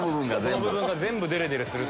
この部分が全部デレデレする。